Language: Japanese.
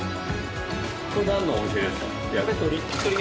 これなんのお店ですか？